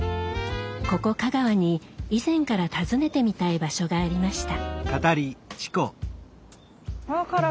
ここ香川に以前から訪ねてみたい場所がありました。